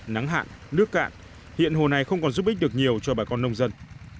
nắng hạn nước cạn hiện hồ này không còn giúp ích được nhiều cho bà con nông dân